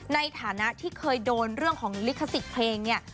ในฐานะที่เคยโดนเรื่องของลิขสิทธิ์เพลงเนี่ย